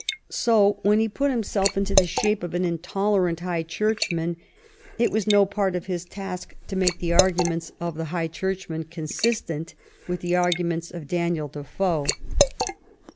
So when he put him self into the shape of an intolerant High Churchman it was no part of his task to make the arguments of the High Churchman consistent with the arguments of Daniel Defoe.